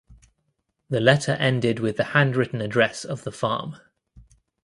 The letter ended with the handwritten address of the farm.